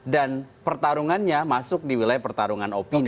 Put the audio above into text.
pertarungannya masuk di wilayah pertarungan opini